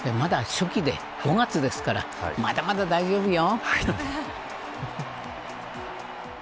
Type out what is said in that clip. まだ初期で、５月ですからまだまだ大丈夫よ。